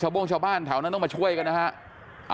ชาวโบ้งชาวบ้านถ่าวนั่นต้องมาช่วยก่อนนะฮะ